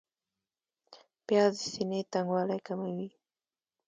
پیاز د سینې تنګوالی کموي